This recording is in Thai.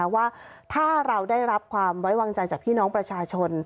ว่าถ้าเราได้รับความไว้วางใจจากพี่น้องประชาชน